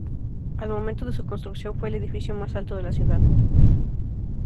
Al momento de su construcción fue el edificio más alto de la ciudad.